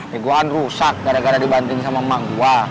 ya gue kan rusak gara gara dibanting sama emak gue